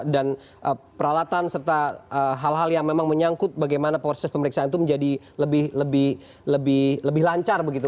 dan peralatan serta hal hal yang memang menyangkut bagaimana proses pemeriksaan itu menjadi lebih lancar begitu